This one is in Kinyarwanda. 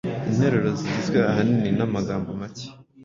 interuro zigizwe ahanini n’amagambo make